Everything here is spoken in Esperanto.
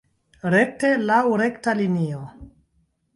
Rekte, laŭ rekta linio.